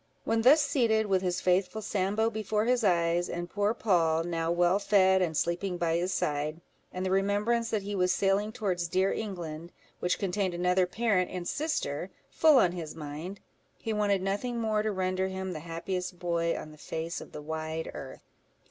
When thus seated, with his faithful Sambo before his eyes, and poor Poll, now well fed, and sleeping by his side, and the remembrance that he was sailing towards dear England, which contained another parent and sister, full on his mind, he wanted nothing more to render him the happiest boy on the face of the wide earth.